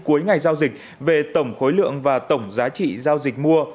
cuối ngày giao dịch về tổng khối lượng và tổng giá trị giao dịch mua